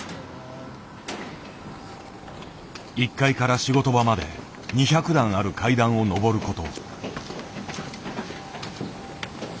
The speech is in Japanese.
１階から仕事場まで２００段ある階段を上る事。